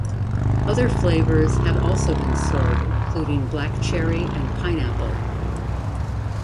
Other flavours have also been sold including black cherry and pineapple.